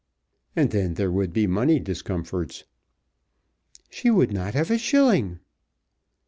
And then there would be money discomforts." "She would not have a shilling."